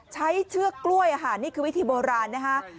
ใช้เชือกกล้วยค่ะนี่คือวิธีโบราณนะคะ